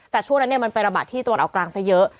แต่ช่วงนั้นมันเป็นระบะที่ตัวเรากลางซะเยอะ